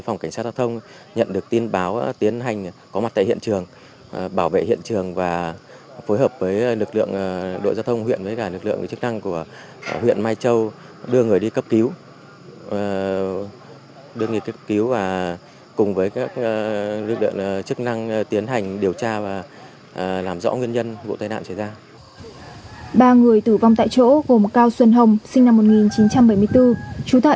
ngay sau khi xảy ra vụ tai nạn phòng cảnh sát giao thông huyện mai châu các ngành chức năng bảo vệ hiện trường đưa các nạn nhân bị thương đi cấp cứu